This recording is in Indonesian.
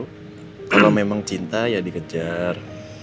kalau memang cinta ya dikejar